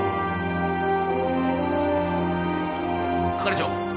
係長。